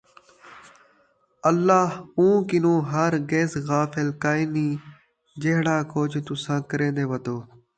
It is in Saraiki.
اَللہ اُوں کنُوں ہرگز غافل کائے نھیں، جِہڑا کُجھ تُساں کریندے وَدو